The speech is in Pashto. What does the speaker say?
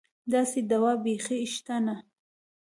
داسې دوا بېخي شته نه.